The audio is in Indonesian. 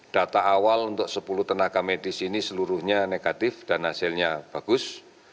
data awal untuk sepuluh tenaga medis ini seluruhnya negatif dan hasilnya bagus